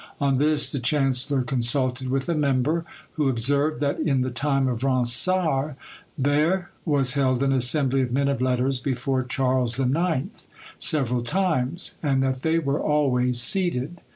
On this the chancellor consulted with a member, who observed that in the time of Ronsard, there was held an assembly of men of letters before Charles IX. several times, and that they were always seated.